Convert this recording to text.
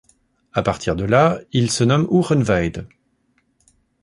À partir de là, ils se nomment Ougenweide.